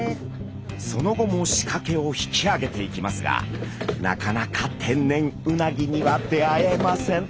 その後も仕掛けを引き上げていきますがなかなか天然うなぎには出会えません。